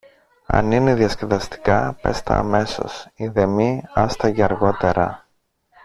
Αν είναι διασκεδαστικά, πες τα αμέσως, ειδεμή άστα για αργότερα.